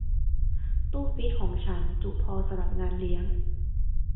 ตู้ฟรีซของฉันจุพอสำหรับงานเลี้ยง